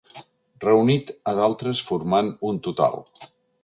Reunit a d'altres formant un total.